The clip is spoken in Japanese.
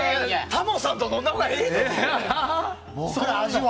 タモさんと飲んだほうがええと思うで。